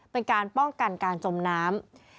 เป็นการป้องกันการจมน้ำ